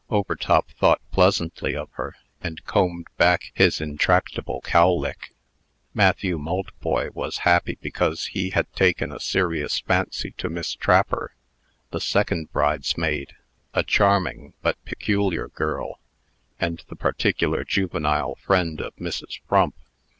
Overtop thought pleasantly of her, and combed back his intractable cowlick. Matthew Maltboy was happy because he had taken a serious fancy to Miss Trapper, the second bridesmaid, a charming but peculiar girl, and the particular juvenile friend of Mrs. Frump.